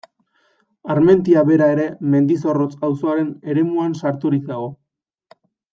Armentia bera ere Mendizorrotz auzoaren eremuan sarturik dago.